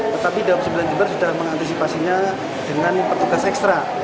tetapi daob sembilan jember sudah mengantisipasinya dengan petugas ekstra